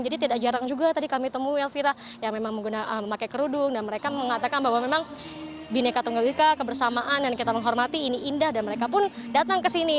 jadi tidak jarang juga tadi kami temu elvira yang memang menggunakan kerudung dan mereka mengatakan bahwa memang bineka tunggal wika kebersamaan dan kita menghormati ini indah dan mereka pun datang kesini